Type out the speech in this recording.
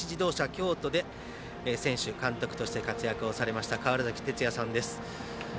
京都で選手、監督として活躍されました川原崎哲也さんです。